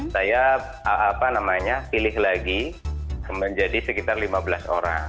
saya pilih lagi menjadi sekitar lima belas orang